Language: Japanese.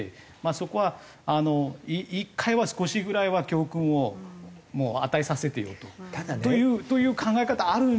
そこは１回は少しぐらいは教訓を与えさせてよという考え方ある。